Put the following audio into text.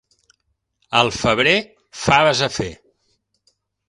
Al febrer, faves a fer.